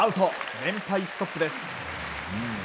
連敗ストップです。